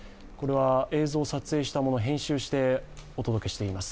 映像撮影したものを編集してお届けしています。